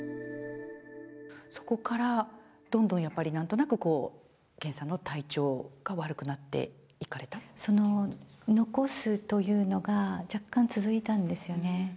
そこから、どんどんやっぱり、なんとなく、こう、健さんの体調が悪くなっていかれた？残すというのが、若干続いたんですよね。